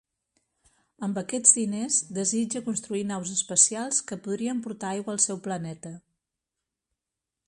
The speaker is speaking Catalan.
Amb aquests diners desitja construir naus espacials que podrien portar aigua al seu planeta.